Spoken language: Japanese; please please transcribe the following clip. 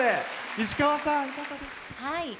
石川さん、いかがでした？